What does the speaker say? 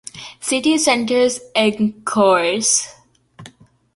City Center's Encores!